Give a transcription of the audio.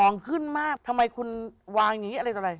มองขึ้นมาทำไมคุณวางอย่างนี้อะไร